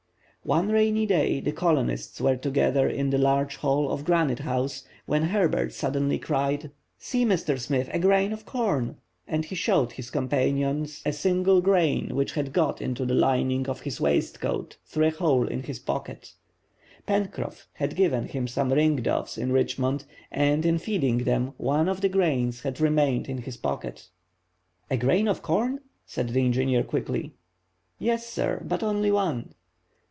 One rainy day the colonists were together in the large hall of Granite House, when Herbert suddenly cried, "See, Mr. Smith, a grain of corn." And he showed his companions a single gram which had got into the lining of his waistcoat through a hole in his pocket. Pencroff had given him some ring doves in Richmond, and in feeding them one of the grains had remained in his pocket. "A grain of corn?" said the engineer, quickly. "Yes, sir; but only one."